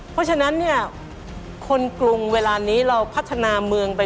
เพราะฉะนั้นเนี่ยคนกรุงเวลานี้เราพัฒนาเมืองไป